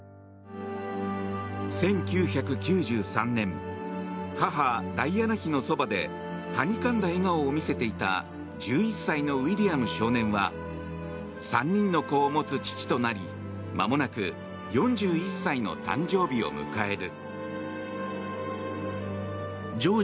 １９９３年母ダイアナ妃のそばではにかんだ笑顔を見せていた１１歳のウィリアム少年は３人の子を持つ父となりまもなく４１歳の誕生日を迎える。